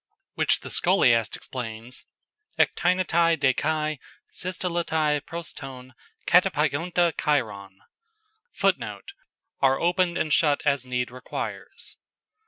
"] Which the Scholiast explains, ekteinetai de kai systelletai pros ton katepeigonta kairon. [Footnote: "Are opened and shut as need requires."